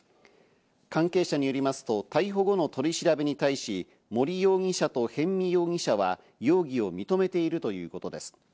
関係者によりますと逮捕後の取り調べに対し、森容疑者と逸見容疑者は容疑を認めているということです。